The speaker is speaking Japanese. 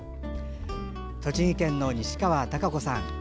栃木県の西川孝子さん。